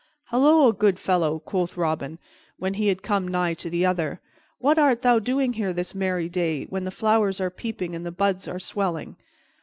"Halloa, good fellow," quoth Robin, when he had come nigh to the other, "what art thou doing here this merry day, when the flowers are peeping and the buds are swelling?"